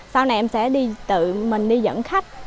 sau này em sẽ đi tự mình đi dẫn khách